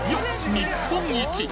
日本一！